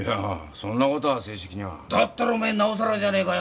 そんなことは正式には。だったらお前なおさらじゃねえかよ